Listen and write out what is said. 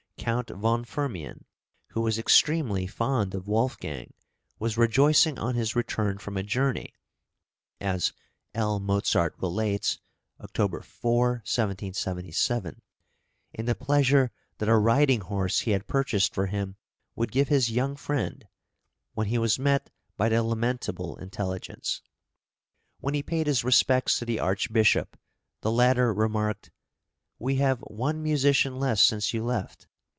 Count von Firmian, who was extremely fond of Wolfgang, was rejoicing on his return from a journey (as L. Mozart relates, October 4, 1777) in {RESIGNATION OF SERVICE AT COURT.} (347) the pleasure that a riding horse he had purchased for him would give his young friend, when he was met by the lamentable intelligence. When he paid his respects to the Archbishop, the latter remarked: "We have one musician less since you left."